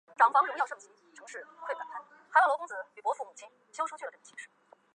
该物种的模式产地在汤加。